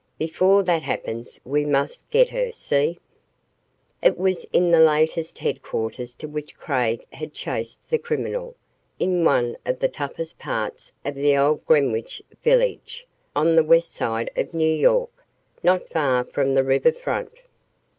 Before that happens, we must 'get' her see?" It was in the latest headquarters to which Craig had chased the criminal, in one of the toughest parts of the old Greenwich village, on the west side of New York, not far from the river front.